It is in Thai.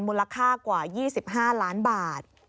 มูลค่ากว่า๒๕ล้านบาท